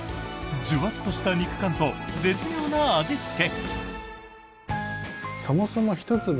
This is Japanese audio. ジュワッとした肉感と絶妙な味付け！